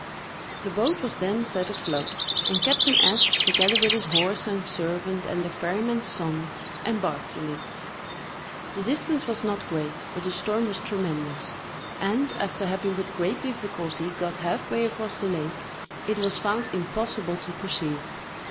The boat was then set afloat, and Captain S——, together with his horse and servant, and the ferryman's son, embarked in it. The distance was not great, but the storm was tremendous; and, after having with great difficulty got half way across the lake, it was found impossible to proceed.